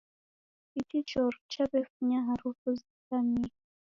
Ichi choro chawefunya harufunizamiyea